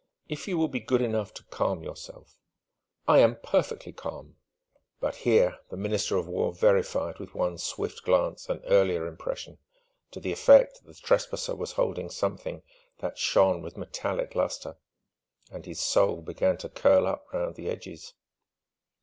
"If you will be good enough to calm yourself " "I am perfectly calm " But here the Minister of War verified with one swift glance an earlier impression, to the effect that the trespasser was holding something that shone with metallic lustre; and his soul began to curl up round the edges.